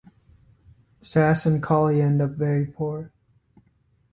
Sass and Koly end up very poor.